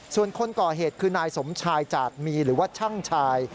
ส่วนคนก่อเหตุคือนายสมชายจาดมีหรือว่าช่างชาย